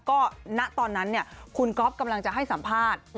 ก็ณตอนนั้นคุณก๊อฟกำลังจะให้สัมภาษณ์